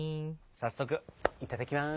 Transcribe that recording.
早速いただきます。